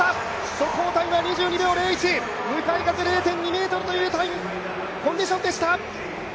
速報タイムは２２秒０１、向かい風０．２メートルというコンディションでした。